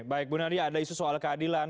baik bu nadia ada isu soal keadilan